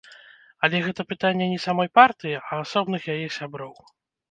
Але гэта пытанне не самой партыі, а асобных яе сяброў.